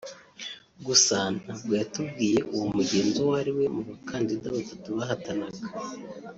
gusa ntabwo yatubwiye uwo mugenzi uwo ariwe mu bakandida batatu bahatanaga”